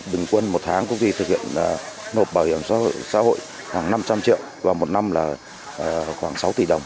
bình quân một tháng công ty thực hiện nộp bảo hiểm xã hội khoảng năm trăm linh triệu và một năm là khoảng sáu tỷ đồng